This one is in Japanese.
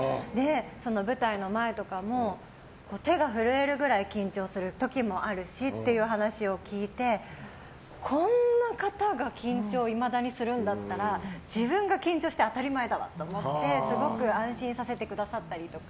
その舞台の前とかも手が震えるくらい緊張する時もあるしって話を聞いてこんな方が緊張をいまだにするんだったら自分が緊張して当たり前だわって思ってすごく安心させてくださったりとか。